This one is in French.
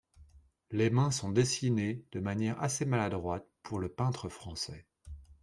Les mains sont dessinées de manière assez maladroite pour le peintre français.